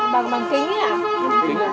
bằng kính ý ạ